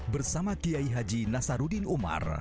bersama kiai haji nasaruddin umar